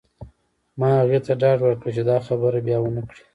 ما هغې ته ډاډ ورکړ چې دا خبره بیا ونه کړې